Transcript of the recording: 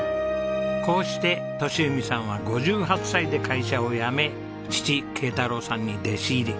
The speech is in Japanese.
こうして利文さんは５８歳で会社を辞め父圭太郎さんに弟子入り。